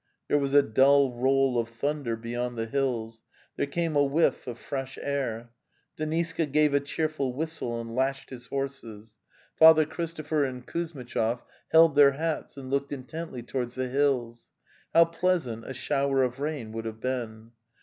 There was a dull roll of thunder beyond the hills; there came a whiff of fresh air. Deniska gave a cheerful whistle and lashed his horses. Father The Steppe 187 Christopher and Kuzmitchov held their hats and looked intently towards the hills... . How pleasant a shower of rain would have been!